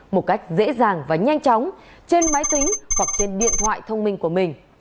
một cách dễ dàng và nhanh chóng trên máy tính hoặc trên điện thoại thông minh của mình